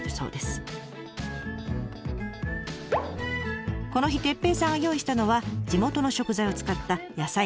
この日哲平さんが用意したのは地元の食材を使った野菜たっぷりのお鍋。